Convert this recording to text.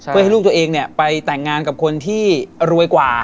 เพื่อให้ลูกตัวเองไปแต่งงานกับคนที่รวยกว่า